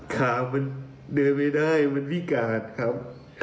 ข่าวมันเดินไม่ได้มันพิการครับ